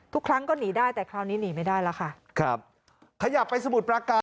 ทุกครั้งก็หนีได้แต่คราวนี้หนีไม่ได้แล้วค่ะครับ